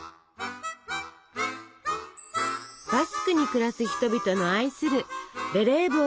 バスクに暮らす人々の愛するベレー